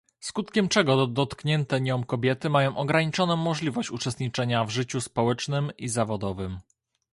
Skutkiem czego dotknięte nią kobiety mają ograniczoną możliwość uczestniczenia w życiu społecznym i zawodowym